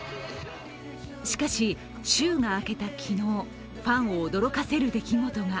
しかし、週が開けた昨日、ファンを驚かせる出来事が。